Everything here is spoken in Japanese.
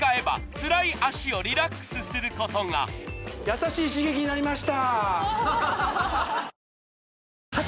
優しい刺激になりました